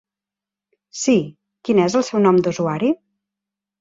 Sí, quin és el seu nom d'usuari?